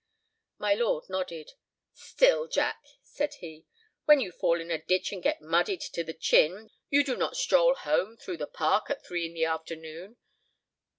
My lord nodded. "Still, Jack," said he, "when you fall in a ditch and get muddied to the chin, you do not stroll home through the park at three in the afternoon.